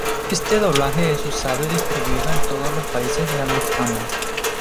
Este doblaje es usado y distribuido en todos los países de habla hispana.